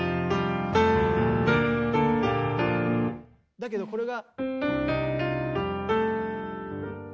だけどこれが。